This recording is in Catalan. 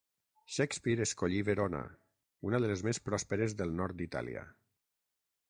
Shakespeare escollí Verona, una de les més pròsperes del nord d'Itàlia.